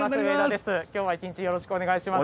今日は一日よろしくお願いします。